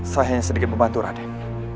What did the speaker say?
saya hanya sedikit membatur adem